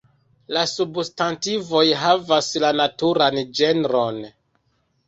La substantivoj havas la naturan ĝenron.